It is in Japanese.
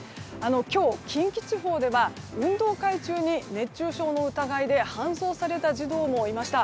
今日、近畿地方では運動会中に熱中症の疑いで搬送された児童もいました。